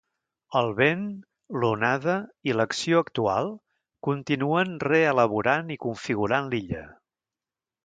El vent, l'onada i l'acció actual continuen reelaborant i configurant l'illa.